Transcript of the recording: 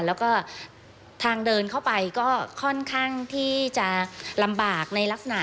แล้วก็ทางเดินเข้าไปก็ค่อนข้างที่จะลำบากในลักษณะ